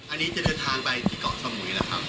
อันนี้จะเดินทางไปที่เกาะสมุยแล้วครับ